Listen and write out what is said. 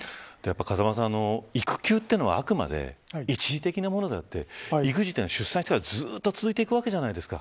風間さん、育休というのはあくまで一時的なものであって育児は出産してから、ずっと続いていくわけじゃないですか。